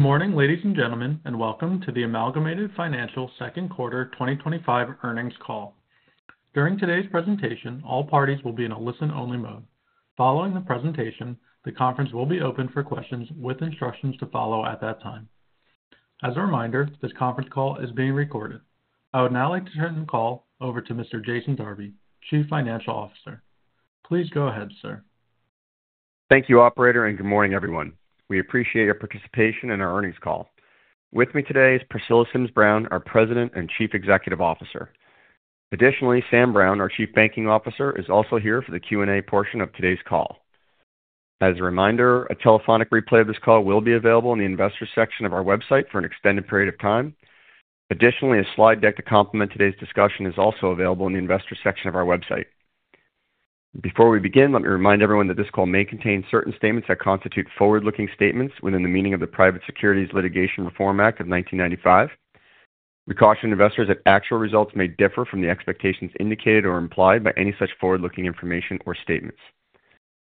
Morning, ladies and gentlemen, and Welcome to the Amalgamated Financial second quarter 2025 earnings call. During today's presentation, all parties will be in a listen-only mode. Following the presentation, the conference will be open for questions with instructions to follow at that time. As a reminder, this conference call is being recorded. I would now like to turn the call over to Mr. Jason Darby, Chief Financial Officer. Please go ahead, sir. Thank you, Operator, and good morning, everyone. We appreciate your participation in our earnings call. With me today is Priscilla Sims Brown, our President and Chief Executive Officer. Additionally, Sam Brown, our Chief Banking Officer, is also here for the Q&A portion of today's call. As a reminder, a telephonic replay of this call will be available in the Investor section of our website for an extended period of time. Additionally, a slide deck to complement today's discussion is also available in the Investor section of our website. Before we begin, let me remind everyone that this call may contain certain statements that constitute forward-looking statements within the meaning of the Private Securities Litigation Reform Act of 1995. We caution investors that actual results may differ from the expectations indicated or implied by any such forward-looking information or statements.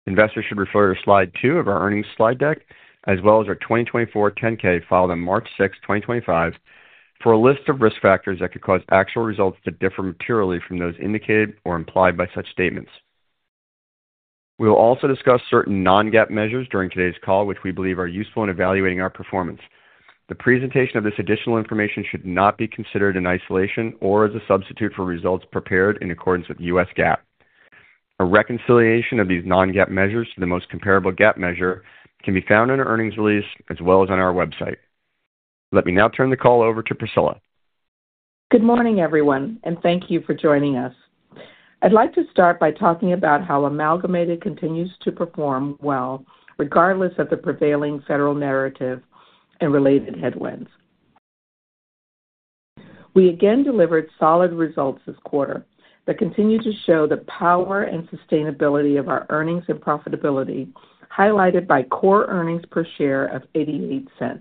Investors should refer to slide two of our earnings slide deck, as well as our 2024 10-K filed on March 6th, 2025, for a list of risk factors that could cause actual results to differ materially from those indicated or implied by such statements. We will also discuss certain non-GAAP measures during today's call, which we believe are useful in evaluating our performance. The presentation of this additional information should not be considered in isolation or as a substitute for results prepared in accordance with U.S. GAAP. A reconciliation of these non-GAAP measures to the most comparable GAAP measure can be found in our earnings release, as well as on our website. Let me now turn the call over to Priscilla. Good morning, everyone, and thank you for joining us. I'd like to start by talking about how Amalgamated continues to perform well, regardless of the prevailing federal narrative and related headwinds. We again delivered solid results this quarter that continue to show the power and sustainability of our earnings and profitability, highlighted by core earnings per share of $0.88.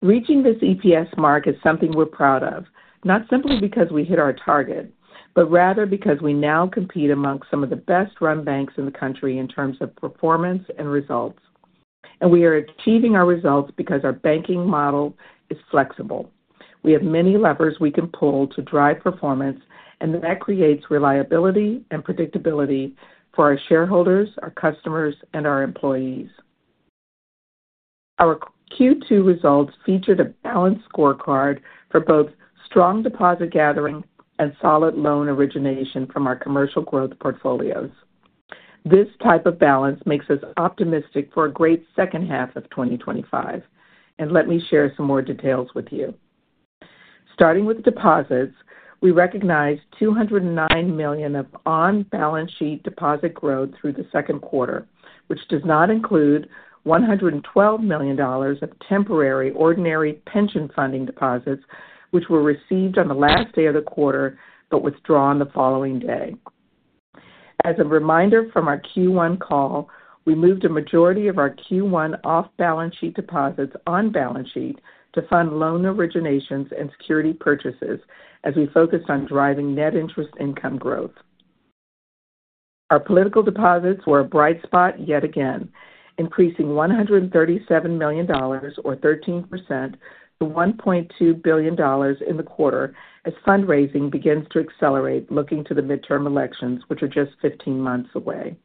Reaching this EPS mark is something we're proud of, not simply because we hit our target, but rather because we now compete among some of the best-run banks in the country in terms of performance and results. We are achieving our results because our banking model is flexible. We have many levers we can pull to drive performance, and that creates reliability and predictability for our shareholders, our customers, and our employees. Our Q2 results feature a balanced scorecard for both strong deposit gathering and solid loan origination from our commercial growth portfolios. This type of balance makes us optimistic for a great second half of 2025. Let me share some more details with you. Starting with deposits, we recognize $209 million of on-balance sheet deposit growth through the second quarter, which does not include $112 million of temporary ordinary pension funding deposits, which were received on the last day of the quarter but withdrawn the following day. As a reminder from our Q1 call, we moved a majority of our Q1 off-balance sheet deposits on balance sheet to fund loan originations and security purchases, as we focused on driving net interest income growth. Our political deposits were a bright spot yet again, increasing $137 million, or 13%, to $1.2 billion in the quarter, as fundraising begins to accelerate looking to the midterm elections, which are just 15 months away.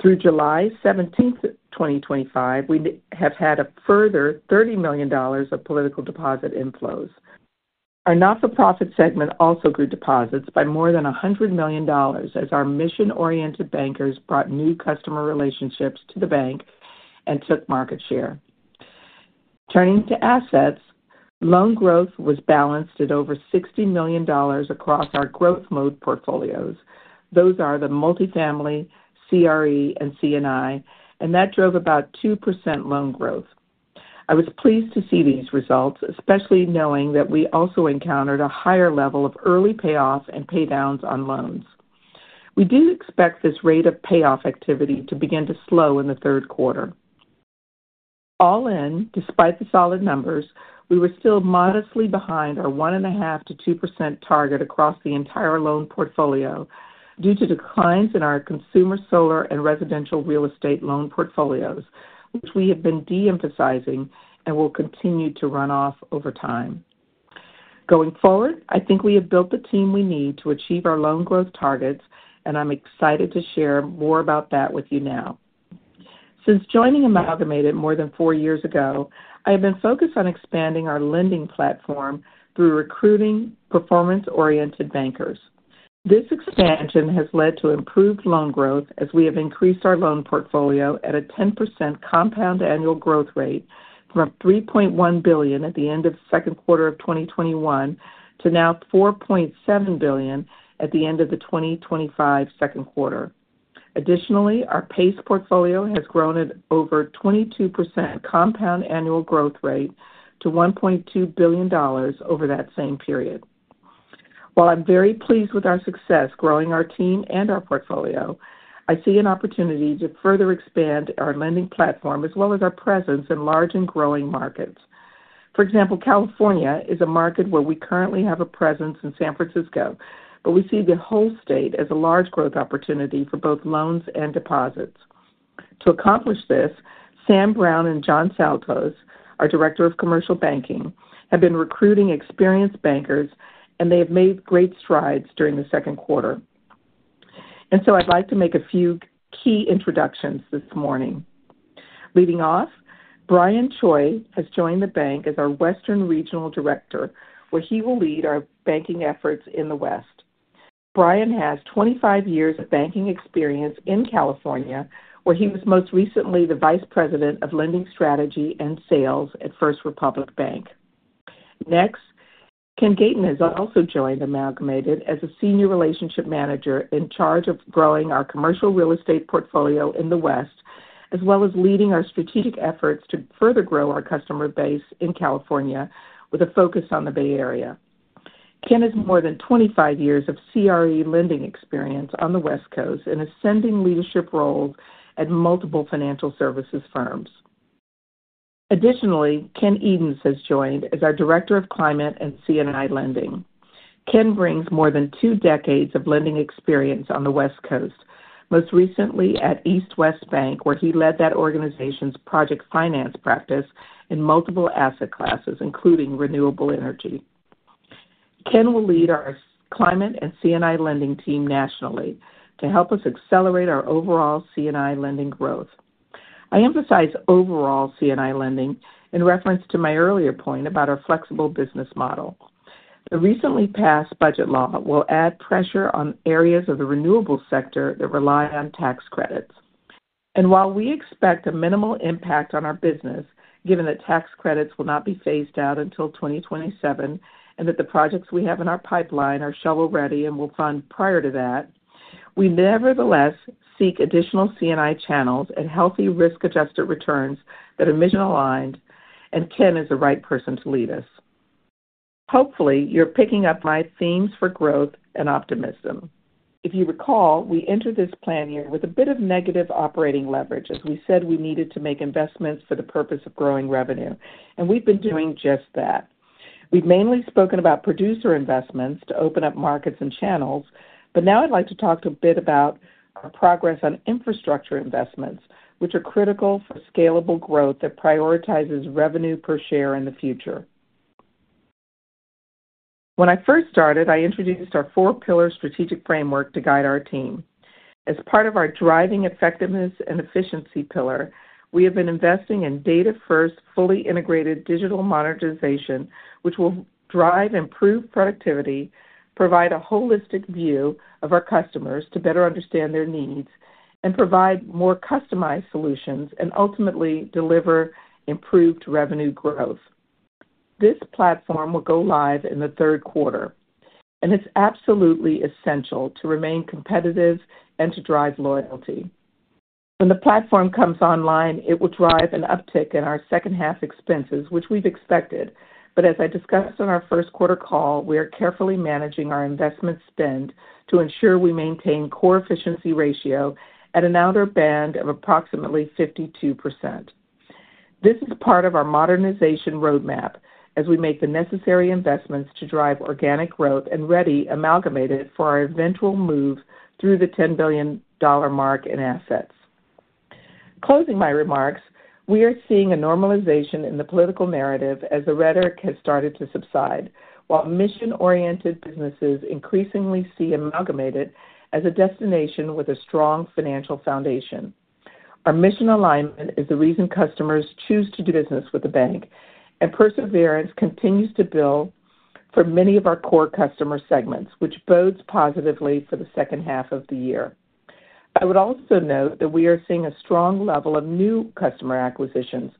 Through July 17, 2025, we have had a further $30 million of political deposit inflows. Our not-for-profit segment also grew deposits by more than $100 million, as our mission-oriented bankers brought new customer relationships to the bank and took market share. Turning to assets, loan growth was balanced at over $60 million across our growth mode portfolios. Those are the multifamily, CRE, and C&I, and that drove about 2% loan growth. I was pleased to see these results, especially knowing that we also encountered a higher level of early payoff and paydowns on loans. We do expect this rate of payoff activity to begin to slow in the third quarter. All in, despite the solid numbers, we were still modestly behind our 1.5%-2% target across the entire loan portfolio due to declines in our consumer solar and residential real estate loan portfolios, which we have been de-emphasizing and will continue to run off over time. Going forward, I think we have built the team we need to achieve our loan growth targets, and I'm excited to share more about that with you now. Since joining Amalgamated more than four years ago, I have been focused on expanding our lending platform through recruiting performance-oriented bankers. This expansion has led to improved loan growth, as we have increased our loan portfolio at a 10% compound annual growth rate from $3.1 billion at the end of the second quarter of 2021 to now $4.7 billion at the end of the 2025 second quarter. Additionally, our PACE portfolio has grown at over a 22% compound annual growth rate to $1.2 billion over that same period. While I'm very pleased with our success growing our team and our portfolio, I see an opportunity to further expand our lending platform as well as our presence in large and growing markets. For example, California is a market where we currently have a presence in San Francisco, but we see the whole state as a large growth opportunity for both loans and deposits. To accomplish this, Sam Brown and John Saltos, our Director of Commercial Banking, have been recruiting experienced bankers, and they have made great strides during the second quarter. I'd like to make a few key introductions this morning. Leading off, Brian Choi has joined the bank as our Western Regional Director, where he will lead our banking efforts in the West. Brian has 25 years of banking experience in California, where he was most recently the Vice President of Lending Strategy and Sales at First Republic Bank. Next, Ken Gaitan has also joined Amalgamated as a Senior Relationship Manager in charge of growing our commercial real estate portfolio in the West, as well as leading our strategic efforts to further grow our customer base in California with a focus on the Bay Area. Ken has more than 25 years of CRE lending experience on the West Coast and is sending leadership roles at multiple financial services firms. Additionally, Ken Edens has joined as our Director of Climate and C&I Lending. Ken brings more than two decades of lending experience on the West Coast, most recently at East West Bank, where he led that organization's project finance practice in multiple asset classes, including renewable energy. Ken will lead our Climate and C&I Lending team nationally to help us accelerate our overall C&I Lending growth. I emphasize overall C&I Lending in reference to my earlier point about our flexible business model. The recently passed budget law will add pressure on areas of the renewable sector that rely on tax credits. While we expect a minimal impact on our business, given that tax credits will not be phased out until 2027 and that the projects we have in our pipeline are shovel-ready and will fund prior to that, we nevertheless seek additional C&I channels and healthy risk-adjusted returns that are mission-aligned, and Ken is the right person to lead us. Hopefully, you're picking up my themes for growth and optimism. If you recall, we entered this plan year with a bit of negative operating leverage as we said we needed to make investments for the purpose of growing revenue, and we've been doing just that. We've mainly spoken about producer investments to open up markets and channels, but now I'd like to talk a bit about our progress on infrastructure investments, which are critical for scalable growth that prioritizes revenue per share in the future. When I first started, I introduced our four-pillar strategic framework to guide our team. As part of our driving effectiveness and efficiency pillar, we have been investing in data-first, fully integrated digital monetization platform, which will drive improved productivity, provide a holistic view of our customers to better understand their needs, and provide more customized solutions and ultimately deliver improved revenue growth. This platform will go live in the third quarter, and it's absolutely essential to remain competitive and to drive loyalty. When the platform comes online, it will drive an uptick in our second half expenses, which we've expected, but as I discussed on our first quarter call, we are carefully managing our investment spend to ensure we maintain core efficiency ratio at an outer band of approximately 52%. This is part of our modernization roadmap as we make the necessary investments to drive organic growth and ready Amalgamated for our eventual move through the $10 billion mark in assets. Closing my remarks, we are seeing a normalization in the political narrative as the rhetoric has started to subside, while mission-oriented businesses increasingly see Amalgamated as a destination with a strong financial foundation. Our mission alignment is the reason customers choose to do business with the bank, and perseverance continues to build for many of our core customer segments, which bodes positively for the second half of the year. I would also note that we are seeing a strong level of new customer acquisitions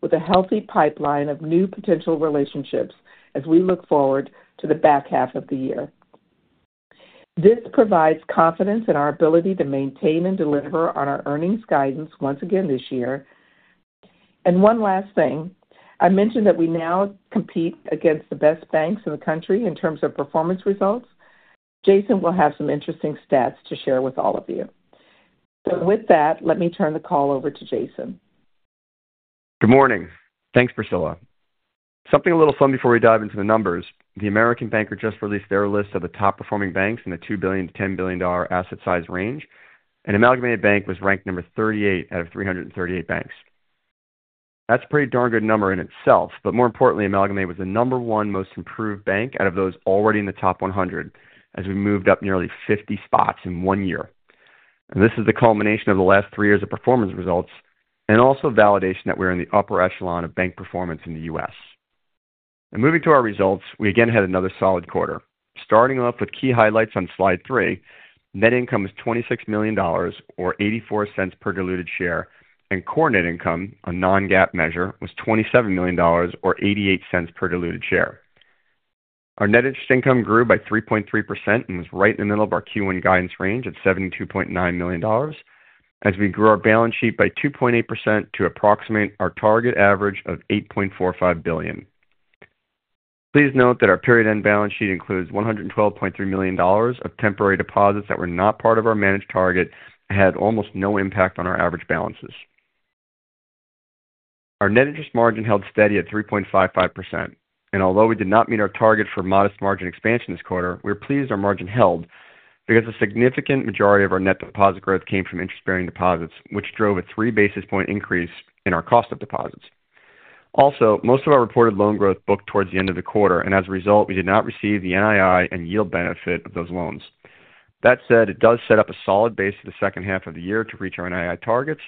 with a healthy pipeline of new potential relationships as we look forward to the back half of the year. This provides confidence in our ability to maintain and deliver on our earnings guidance once again this year. I mentioned that we now compete against the best banks in the country in terms of performance results. Jason will have some interesting stats to share with all of you. With that, let me turn the call over to Jason. Good morning. Thanks, Priscilla. Something a little fun before we dive into the numbers. American Banker just released their list of the top performing banks in the $2 billion-$10 billion asset size range, and Amalgamated Bank was ranked number 38 out of 338 banks. That's a pretty darn good number in itself, but more importantly, Amalgamated was the number one most improved bank out of those already in the top 100 as we moved up nearly 50 spots in one year. This is the culmination of the last three years of performance results and also validation that we're in the upper echelon of bank performance in the U.S. Moving to our results, we again had another solid quarter. Starting off with key highlights on slide three, net income was $26 million, or $0.84 per diluted share, and core net income, a non-GAAP measure, was $27 million, or $0.88 per diluted share. Our net interest income grew by 3.3% and was right in the middle of our Q1 guidance range at $72.9 million, as we grew our balance sheet by 2.8% to approximate our target average of $8.45 billion. Please note that our period end balance sheet includes $112.3 million of temporary deposits that were not part of our managed target and had almost no impact on our average balances. Our net interest margin held steady at 3.55%, and although we did not meet our target for modest margin expansion this quarter, we're pleased our margin held because a significant majority of our net deposit growth came from interest-bearing deposits, which drove a three basis point increase in our cost of deposits. Also, most of our reported loan growth booked towards the end of the quarter, and as a result, we did not receive the NII and yield benefit of those loans. That said, it does set up a solid base for the second half of the year to reach our NII targets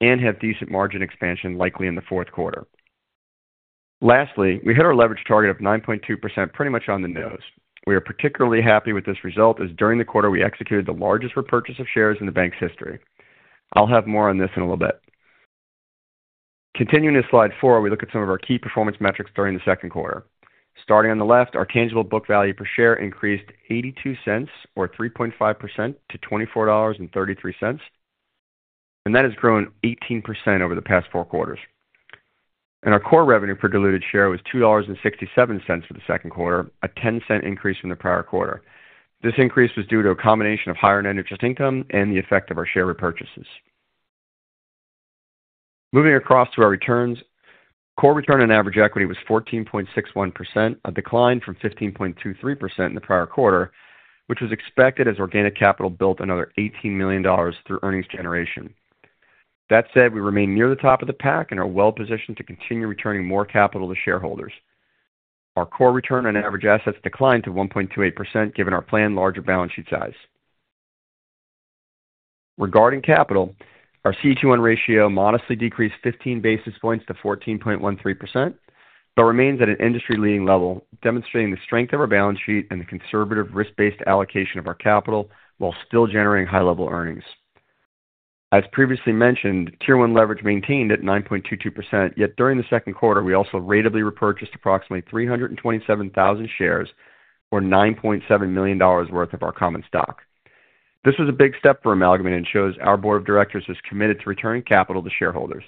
and have decent margin expansion likely in the fourth quarter. Lastly, we hit our leverage target of 9.2% pretty much on the nose. We are particularly happy with this result, as during the quarter, we executed the largest repurchase of shares in the bank's history. I'll have more on this in a little bit. Continuing to slide four, we look at some of our key performance metrics during the second quarter. Starting on the left, our tangible book value per share increased $0.82, or 3.5%, to $24.33, and that has grown 18% over the past four quarters. Our core revenue per diluted share was $2.67 for the second quarter, a $0.10 increase from the prior quarter. This increase was due to a combination of higher net interest income and the effect of our share repurchases. Moving across to our returns, core return on average equity was 14.61%, a decline from 15.23% in the prior quarter, which was expected as organic capital built another $18 million through earnings generation. That said, we remain near the top of the pack and are well positioned to continue returning more capital to shareholders. Our core return on average assets declined to 1.28% given our planned larger balance sheet size. Regarding capital, our CET1 ratio modestly decreased 15 basis points to 14.13%, but remains at an industry-leading level, demonstrating the strength of our balance sheet and the conservative risk-based allocation of our capital while still generating high-level earnings. As previously mentioned, Tier 1 leverage maintained at 9.22%. During the second quarter, we also rateably repurchased approximately 327,000 shares, or $9.7 million worth of our common stock. This was a big step for Amalgamated and shows our board of directors is committed to returning capital to shareholders.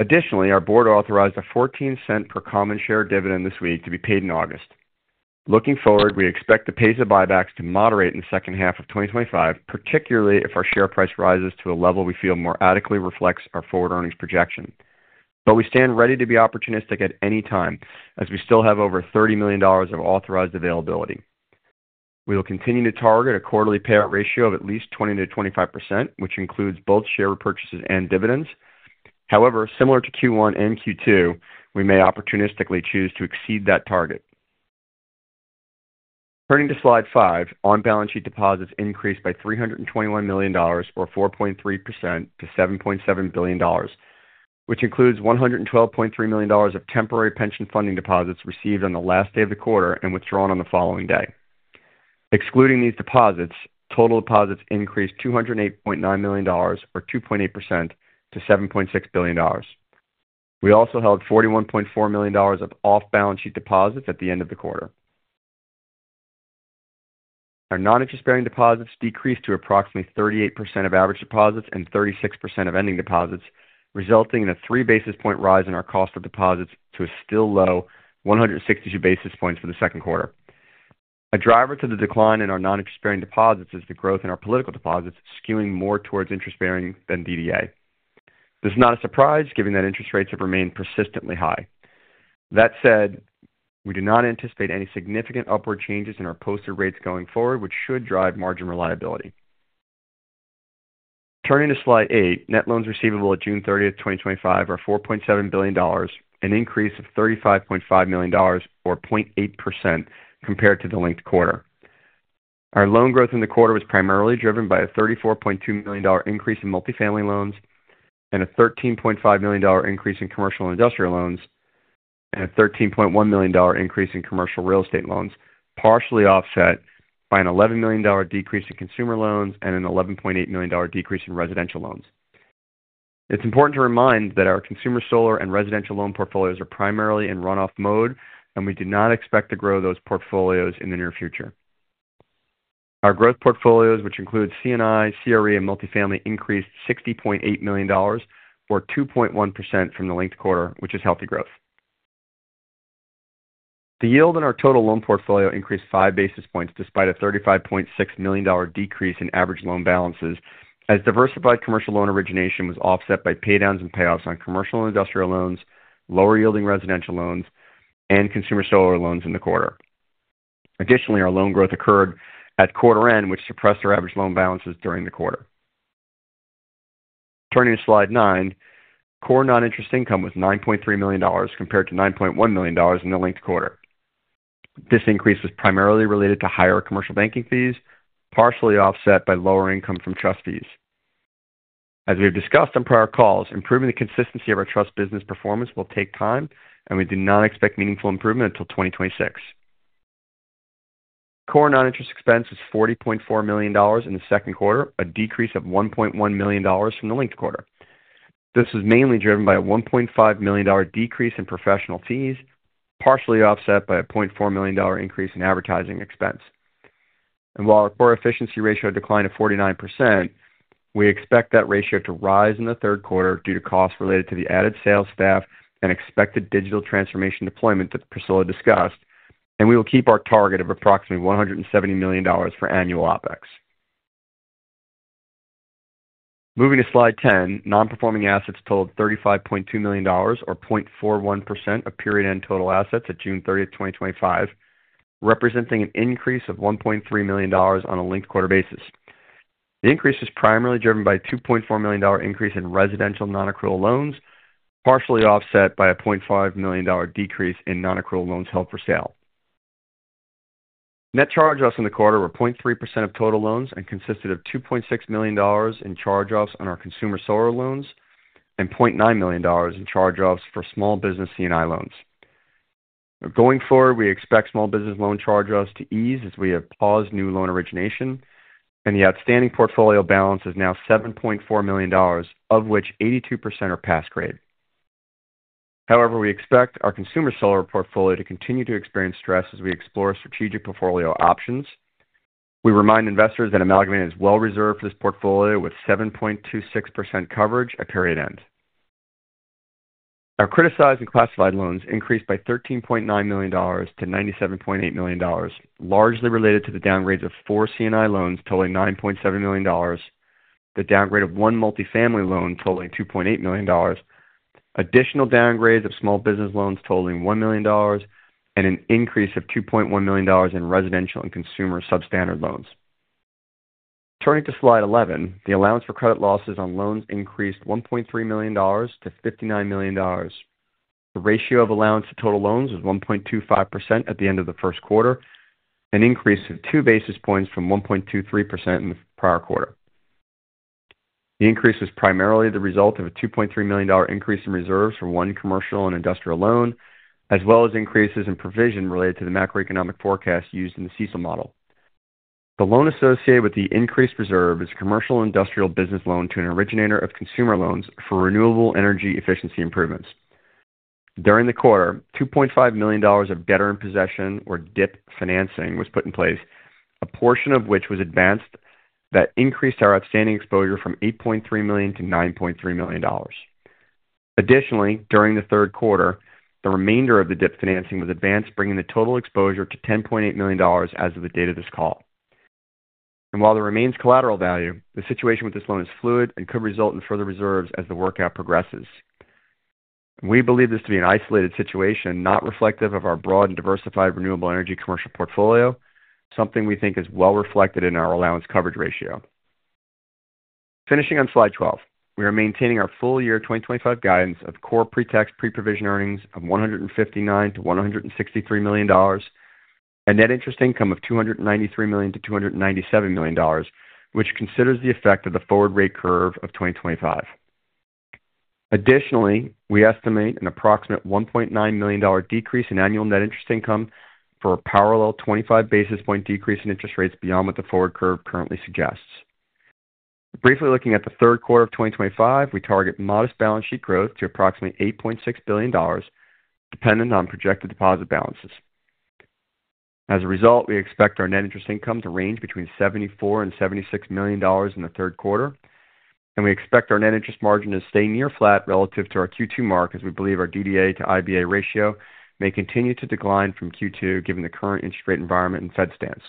Additionally, our board authorized a $0.14 per common share dividend this week to be paid in August. Looking forward, we expect the pace of buybacks to moderate in the second half of 2025, particularly if our share price rises to a level we feel more adequately reflects our forward earnings projection. We stand ready to be opportunistic at any time, as we still have over $30 million of authorized availability. We will continue to target a quarterly payout ratio of at least 20%-25%, which includes both share repurchases and dividends. However, similar to Q1 and Q2, we may opportunistically choose to exceed that target. Turning to slide five, on-balance sheet deposits increased by $321 million, or 4.3%, to $7.7 billion, which includes $112.3 million of temporary pension funding deposits received on the last day of the quarter and withdrawn on the following day. Excluding these deposits, total deposits increased $208.9 million, or 2.8%, to $7.6 billion. We also held $41.4 million of off-balance sheet deposits at the end of the quarter. Our non-interest-bearing deposits decreased to approximately 38% of average deposits and 36% of ending deposits, resulting in a three basis point rise in our cost of deposits to a still low 1.62% for the second quarter. A driver to the decline in our non-interest-bearing deposits is the growth in our political deposits, skewing more towards interest-bearing than DDA. This is not a surprise, given that interest rates have remained persistently high. That said, we do not anticipate any significant upward changes in our posted rates going forward, which should drive margin reliability. Turning to slide eight, net loans receivable at June 30th, 2025, are $4.7 billion, an increase of $35.5 million, or 0.8% compared to the linked quarter. Our loan growth in the quarter was primarily driven by a $34.2 million increase in multifamily loans and a $13.5 million increase in commercial and industrial loans and a $13.1 million increase in commercial real estate loans, partially offset by an $11 million decrease in consumer loans and an $11.8 million decrease in residential loans. It's important to remind that our consumer solar and residential loan portfolios are primarily in runoff mode, and we do not expect to grow those portfolios in the near future. Our growth portfolios, which include C&I, CRE, and multifamily, increased $60.8 million, or 2.1% from the linked quarter, which is healthy growth. The yield in our total loan portfolio increased five basis points despite a $35.6 million decrease in average loan balances, as diversified commercial loan origination was offset by paydowns and payoffs on commercial and industrial loans, lower yielding residential loans, and consumer solar loans in the quarter. Additionally, our loan growth occurred at quarter end, which suppressed our average loan balances during the quarter. Turning to slide nine, core non-interest income was $9.3 million compared to $9.1 million in the linked quarter. This increase was primarily related to higher commercial banking fees, partially offset by lower income from trust fees. As we have discussed on prior calls, improving the consistency of our trust business performance will take time, and we do not expect meaningful improvement until 2026. Core non-interest expense was $40.4 million in the second quarter, a decrease of $1.1 million from the linked quarter. This was mainly driven by a $1.5 million decrease in professional fees, partially offset by a $0.4 million increase in advertising expense. While our core efficiency ratio declined to 49%, we expect that ratio to rise in the third quarter due to costs related to the added sales staff and expected digital transformation deployment that Priscilla discussed, and we will keep our target of approximately $170 million for annual OpEx. Moving to slide 10, non-performing assets totaled $35.2 million, or 0.41% of period end total assets at June 30, 2025, representing an increase of $1.3 million on a linked quarter basis. The increase was primarily driven by a $2.4 million increase in residential non-accrual loans, partially offset by a $0.5 million decrease in non-accrual loans held for sale. Net charge-offs in the quarter were 0.3% of total loans and consisted of $2.6 million in charge-offs on our consumer solar loans and $0.9 million in charge-offs for small business C&I loans. Going forward, we expect small business loan charge-offs to ease as we have paused new loan origination, and the outstanding portfolio balance is now $7.4 million, of which 82% are pass grade. However, we expect our consumer solar portfolio to continue to experience stress as we explore strategic portfolio options. We remind investors that Amalgamated is well-reserved for this portfolio with 7.26% coverage at period end. Our criticized and classified loans increased by $13.9 million to $97.8 million, largely related to the downgrades of four C&I loans totaling $9.7 million, the downgrade of one multifamily loan totaling $2.8 million, additional downgrades of small business loans totaling $1 million, and an increase of $2.1 million in residential and consumer substandard loans. Turning to slide 11, the allowance for credit losses on loans increased $1.3 million to $59 million. The ratio of allowance to total loans was 1.25% at the end of the first quarter, an increase of two basis points from 1.23% in the prior quarter. The increase was primarily the result of a $2.3 million increase in reserves for one commercial and industrial loan, as well as increases in provision related to the macroeconomic forecast used in the CECL model. The loan associated with the increased reserve is a commercial and industrial business loan to an originator of consumer loans for renewable energy efficiency improvements. During the quarter, $2.5 million of debtor in possession, or DIP, financing was put in place, a portion of which was advanced that increased our outstanding exposure from $8.3 million to $9.3 million. Additionally, during the third quarter, the remainder of the DIP financing was advanced, bringing the total exposure to $10.8 million as of the date of this call. While there remains collateral value, the situation with this loan is fluid and could result in further reserves as the workout progresses. We believe this to be an isolated situation not reflective of our broad and diversified renewable energy commercial portfolio, something we think is well reflected in our allowance coverage ratio. Finishing on slide 12, we are maintaining our full year 2025 guidance of core pre-tax pre-provision earnings of $159 million-$163 million and net interest income of $293 million-$297 million, which considers the effect of the forward rate curve of 2025. Additionally, we estimate an approximate $1.9 million decrease in annual net interest income for a parallel 25 basis points decrease in interest rates beyond what the forward curve currently suggests. Briefly looking at the third quarter of 2025, we target modest balance sheet growth to approximately $8.6 billion, dependent on projected deposit balances. As a result, we expect our net interest income to range between $74 million and $76 million in the third quarter, and we expect our net interest margin to stay near flat relative to our Q2 mark, as we believe our DDA to IBA ratio may continue to decline from Q2, given the current interest rate environment and Fed stance.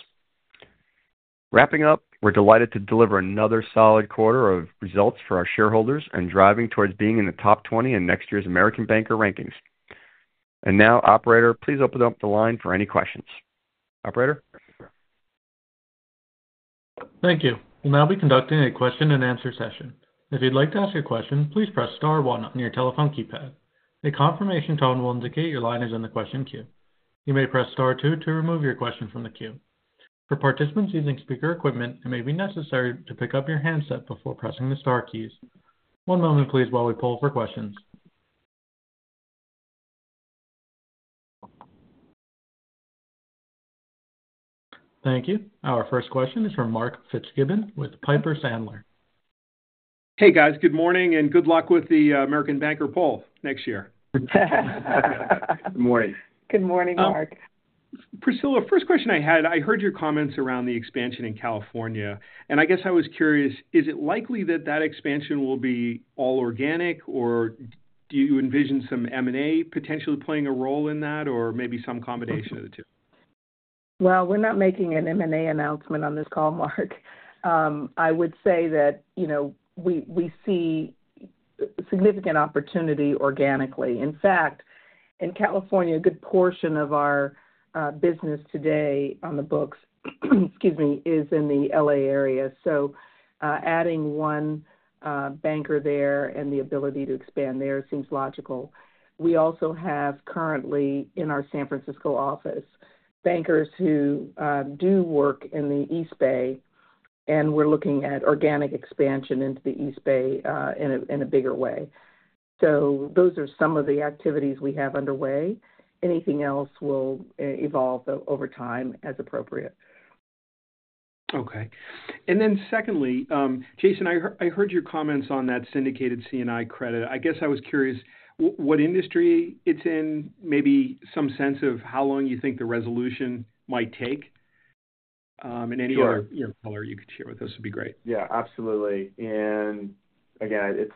Wrapping up, we're delighted to deliver another solid quarter of results for our shareholders and driving towards being in the top 20 in next year's American Banker rankings. Operator, please open up the line for any questions. Operator? Thank you. We'll now be conducting a question and answer session. If you'd like to ask a question, please press star one on your telephone keypad. A confirmation tone will indicate your line is in the question queue. You may press star two to remove your question from the queue. For participants using speaker equipment, it may be necessary to pick up your handset before pressing the star keys. One moment, please, while we poll for questions. Thank you. Our first question is from Mark Fitzgibbon with Piper Sandler. Hey guys, good morning and good luck with the American Banker poll next year. Good morning. Good morning, Mark. Priscilla, first question I had, I heard your comments around the expansion in California, and I guess I was curious, is it likely that that expansion will be all organic, or do you envision some M&A potentially playing a role in that, or maybe some combination of the two? We're not making an M&A announcement on this call, Mark. I would say that, you know, we see significant opportunity organically. In fact, in California, a good portion of our business today on the books, excuse me, is in the LA area. Adding one banker there and the ability to expand there seems logical. We also have currently in our San Francisco office bankers who do work in the East Bay, and we're looking at organic expansion into the East Bay in a bigger way. Those are some of the activities we have underway. Anything else will evolve over time as appropriate. Okay. Jason, I heard your comments on that syndicated C&I credit. I was curious what industry it's in, maybe some sense of how long you think the resolution might take, and any other color you could share with us would be great. Absolutely. It's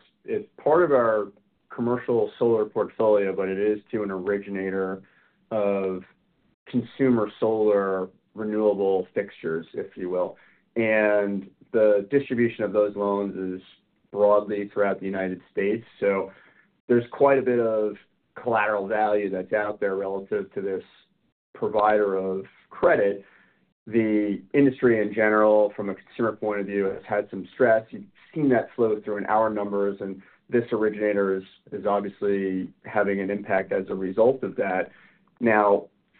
part of our commercial solar portfolio, but it is to an originator of consumer solar renewable fixtures, if you will. The distribution of those loans is broadly throughout the United States. There is quite a bit of collateral value that's out there relative to this provider of credit. The industry in general, from a consumer point of view, has had some stress. You've seen that flow through in our numbers, and this originator is obviously having an impact as a result of that.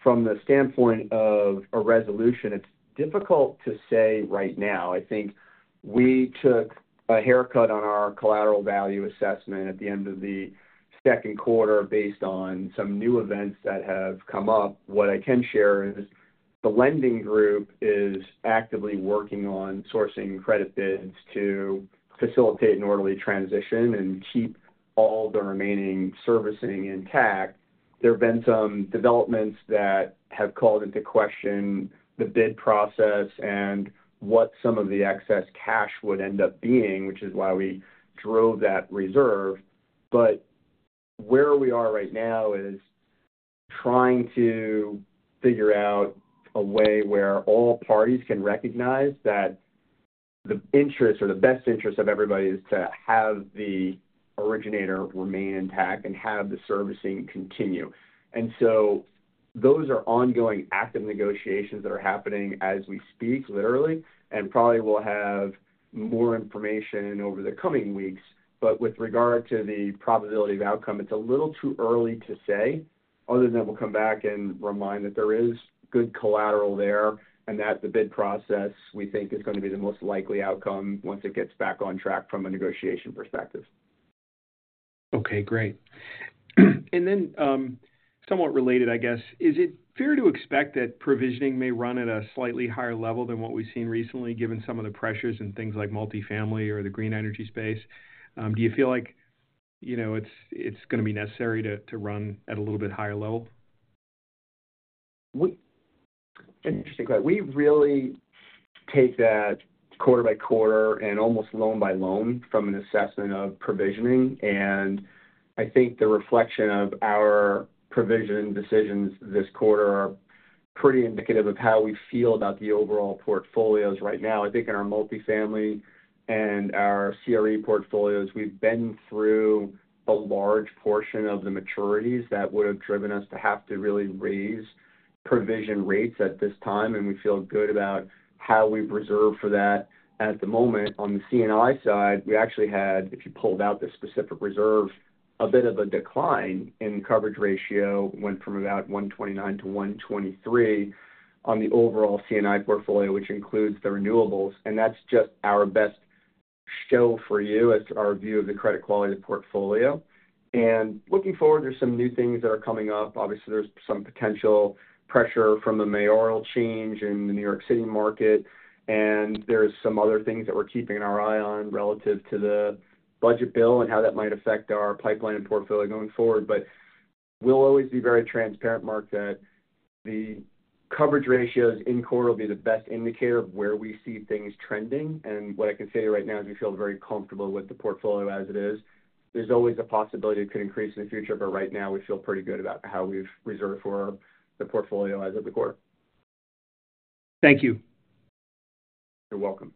From the standpoint of a resolution, it's difficult to say right now. I think we took a haircut on our collateral value assessment at the end of the second quarter based on some new events that have come up. What I can share is the lending group is actively working on sourcing credit bids to facilitate an orderly transition and keep all the remaining servicing intact. There have been some developments that have called into question the bid process and what some of the excess cash would end up being, which is why we drove that reserve. Where we are right now is trying to figure out a way where all parties can recognize that the interest or the best interest of everybody is to have the originator remain intact and have the servicing continue. Those are ongoing active negotiations that are happening as we speak, literally, and probably will have more information over the coming weeks. With regard to the probability of outcome, it's a little too early to say, other than that we'll come back and remind that there is good collateral there and that the bid process we think is going to be the most likely outcome once it gets back on track from a negotiation perspective. Okay, great. Somewhat related, I guess, is it fair to expect that provisioning may run at a slightly higher level than what we've seen recently, given some of the pressures and things like multifamily or the green energy space? Do you feel like it's going to be necessary to run at a little bit higher level? Interesting question. We really take that quarter by quarter and almost loan by loan from an assessment of provisioning. I think the reflection of our provision decisions this quarter are pretty indicative of how we feel about the overall portfolios right now. I think in our multifamily and our CRE portfolios, we've been through a large portion of the maturities that would have driven us to have to really raise provision rates at this time. We feel good about how we've reserved for that at the moment. On the C&I side, we actually had, if you pulled out the specific reserve, a bit of a decline in coverage ratio, went from about 129-123 on the overall C&I portfolio, which includes the renewables. That's just our best show for you as our view of the credit quality of the portfolio. Looking forward, there's some new things that are coming up. Obviously, there's some potential pressure from a mayoral change in the New York City market. There are some other things that we're keeping our eye on relative to the budget bill and how that might affect our pipeline and portfolio going forward. We'll always be very transparent, Mark, that the coverage ratios in quarter will be the best indicator of where we see things trending. What I can say right now is we feel very comfortable with the portfolio as it is. There's always a possibility it could increase in the future, but right now we feel pretty good about how we've reserved for the portfolio as of the quarter. Thank you. You're welcome.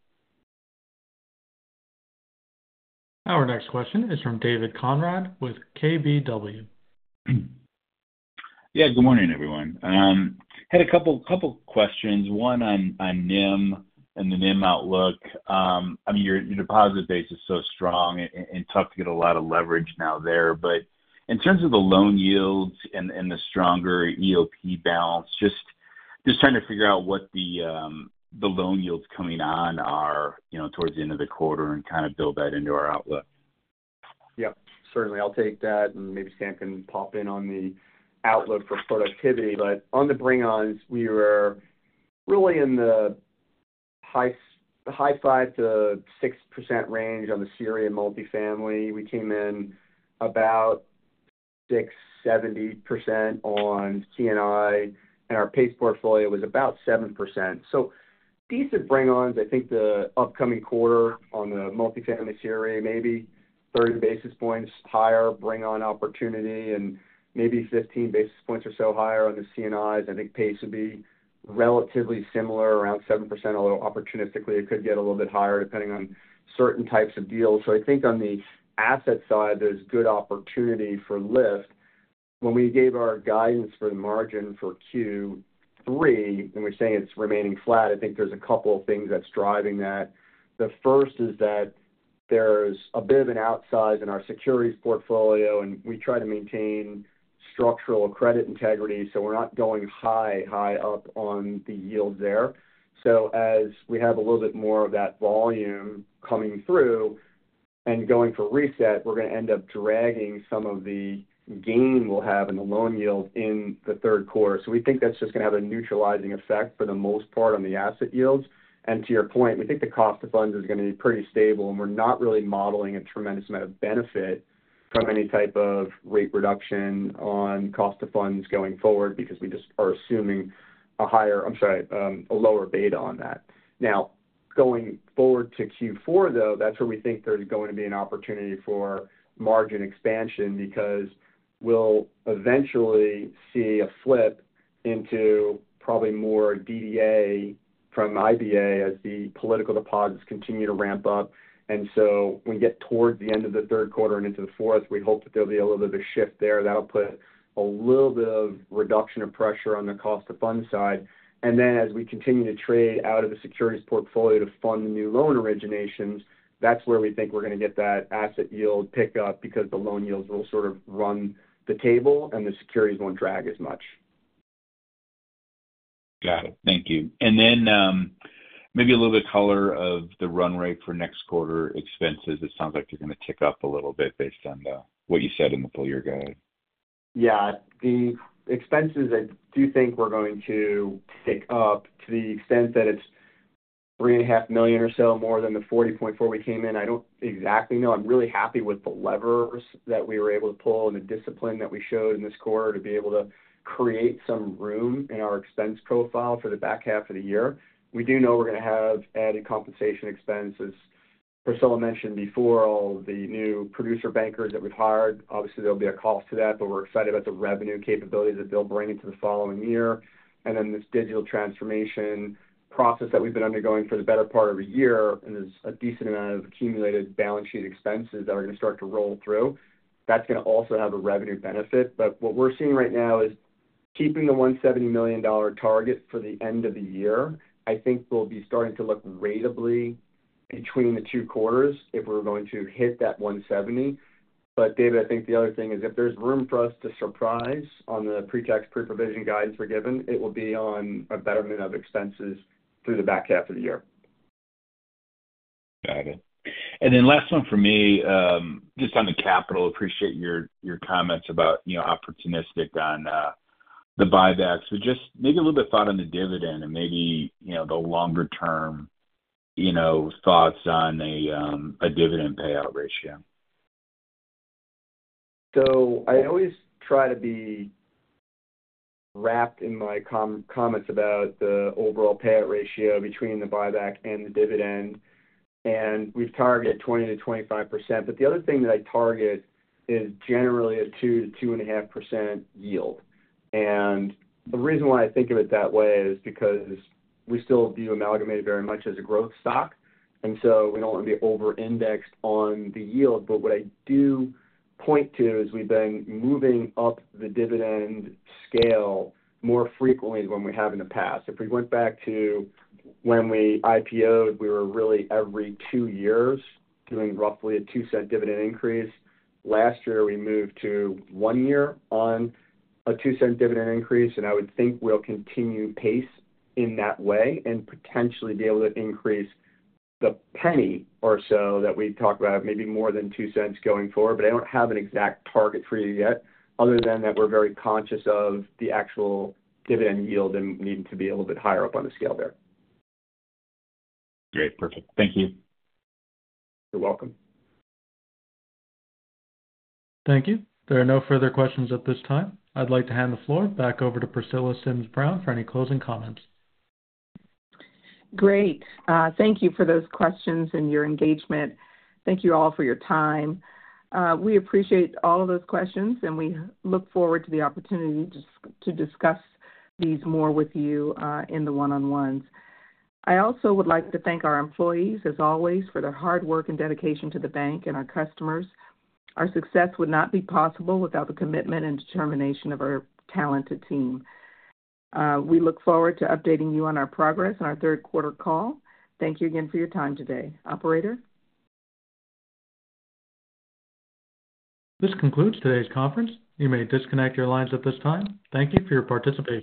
Our next question is from David Konrad with KBW. Good morning, everyone. I had a couple of questions. One on net interest margin and the net interest margin outlook. I mean, your deposit base is so strong and tough to get a lot of leverage now there. In terms of the loan yields and the stronger end-of-period balance, just trying to figure out what the loan yields coming on are towards the end of the quarter and kind of build that into our outlook. Yep, certainly. I'll take that and maybe Sam can pop in on the outlook for productivity. On the bring-ons, we were really in the high 5%-6% range on the CRE and multifamily. We came in about 670% on C&I, and our PACE portfolio was about 7%. Decent bring-ons. I think the upcoming quarter on the multifamily CRE, maybe 30 basis points higher bring-on opportunity and maybe 15 basis points or so higher on the C&Is. I think PACE would be relatively similar, around 7%, although opportunistically it could get a little bit higher depending on certain types of deals. I think on the asset side, there's good opportunity for lift. When we gave our guidance for the margin for Q3, and we're saying it's remaining flat, I think there's a couple of things that's driving that. The first is that there's a bit of an outsize in our securities portfolio, and we try to maintain structural credit integrity. We're not going high, high up on the yield there. As we have a little bit more of that volume coming through and going for reset, we're going to end up dragging some of the gain we'll have in the loan yield in the third quarter. We think that's just going to have a neutralizing effect for the most part on the asset yields. To your point, we think the cost of funds is going to be pretty stable, and we're not really modeling a tremendous amount of benefit from any type of rate reduction on cost of funds going forward because we just are assuming a lower beta on that. Now, going forward to Q4, that's where we think there's going to be an opportunity for margin expansion because we'll eventually see a slip into probably more DDA from IBA as the political deposits continue to ramp up. When we get towards the end of the third quarter and into the fourth, we hope that there'll be a little bit of a shift there. That'll put a little bit of reduction of pressure on the cost of funds side. As we continue to trade out of the securities portfolio to fund the new loan originations, that's where we think we're going to get that asset yield pickup because the loan yields will sort of run the table and the securities won't drag as much. Got it. Thank you. Maybe a little bit of color of the run rate for next quarter expenses. It sounds like they're going to tick up a little bit based on what you said in the prior guide. Yeah, the expenses I do think we're going to tick up to the extent that it's $3.5 million or so more than the $40.4 million we came in. I don't exactly know. I'm really happy with the levers that we were able to pull and the discipline that we showed in this quarter to be able to create some room in our expense profile for the back half of the year. We do know we're going to have added compensation expenses. Priscilla mentioned before all the new producer bankers that we've hired. Obviously, there'll be a cost to that, but we're excited about the revenue capabilities that they'll bring into the following year. This digital transformation process that we've been undergoing for the better part of a year, and there's a decent amount of accumulated balance sheet expenses that are going to start to roll through. That's going to also have a revenue benefit. What we're seeing right now is keeping the $170 million target for the end of the year. I think we'll be starting to look ratably between the two quarters if we're going to hit that $170 million. David, I think the other thing is if there's room for us to surprise on the pretax pre-provision guidance we're given, it will be on a better amount of expenses through the back half of the year. Got it. Last one for me, just on the capital, I appreciate your comments about, you know, opportunistic on the buybacks, but just maybe a little bit of thought on the dividend and maybe, you know, the longer term, you know, thoughts on a dividend payout ratio. I always try to be wrapped in my comments about the overall payout ratio between the buyback and the dividend. We've targeted 20%-25%, but the other thing that I target is generally a 2 %-2.5% yield. The reason why I think of it that way is because we still view Amalgamated very much as a growth stock, and we don't want to be over-indexed on the yield. What I do point to is we've been moving up the dividend scale more frequently than we have in the past. If we went back to when we IPOed, we were really every two years doing roughly a $0.02 dividend increase. Last year, we moved to one year on a $0.02 dividend increase, and I would think we'll continue pace in that way and potentially be able to increase the penny or so that we talked about, maybe more than $0.02 going forward. I don't have an exact target for you yet, other than that we're very conscious of the actual dividend yield and needing to be a little bit higher up on the scale there. Great. Perfect. Thank you. You're welcome. Thank you. There are no further questions at this time. I'd like to hand the floor back over to Priscilla Sims Brown for any closing comments. Great. Thank you for those questions and your engagement. Thank you all for your time. We appreciate all of those questions, and we look forward to the opportunity to discuss these more with you in the one-on-ones. I also would like to thank our employees, as always, for their hard work and dedication to the bank and our customers. Our success would not be possible without the commitment and determination of our talented team. We look forward to updating you on our progress in our third quarter call. Thank you again for your time today. Operator? This concludes today's conference. You may disconnect your lines at this time. Thank you for your participation.